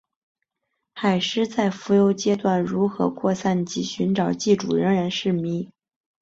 海虱在浮游阶段如何扩散及寻找寄主仍然是迷。